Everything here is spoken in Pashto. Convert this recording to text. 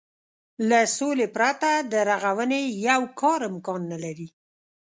له سولې پرته د رغونې يو کار امکان نه لري.